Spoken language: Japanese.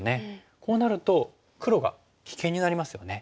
こうなると黒が危険になりますよね。